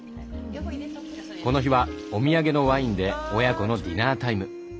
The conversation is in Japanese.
この日はお土産のワインで親子のディナータイム。